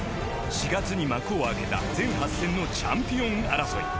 ４月に幕を開けた全８戦のチャンピオン争い。